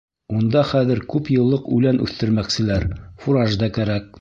Унда хәҙер күп йыллыҡ үлән үҫтермәкселәр, фураж да кәрәк.